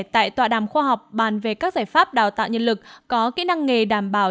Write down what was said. tại tọa đàm khoa học bàn về các giải pháp đào tạo nhân lực có kỹ năng nghề đảm bảo